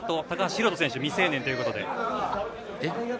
宏斗選手は未成年ということで。